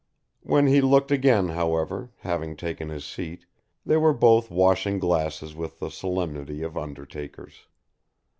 When he looked again, however, having taken his seat, they were both washing glasses with the solemnity of undertakers.